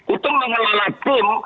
itu mengenalah tim